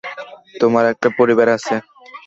তোমার একটা পরিবার আছে।